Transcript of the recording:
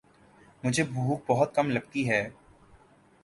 مجھے بھوک بہت کم لگتی ہے